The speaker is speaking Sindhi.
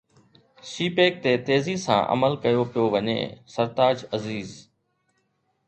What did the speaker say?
سي پيڪ تي تيزي سان عمل ڪيو پيو وڃي: سرتاج عزيز